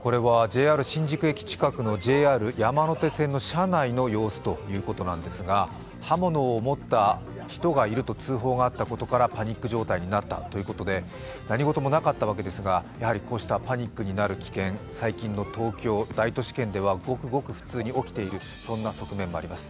これはＪＲ新宿駅近くの山手線の車内の様子ということなんですが、刃物を持った人がいると通報があったことからパニック状態になったということで何事もとなかったわけですが、やはりこうしたパニックになる危険最近の東京、大都市圏ではごくごく普通に起きている、そんな側面もあります。